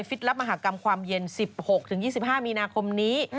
ในฟิศรัพย์มหากรรมความเย็น๑๖๒๕มีนาคมนี้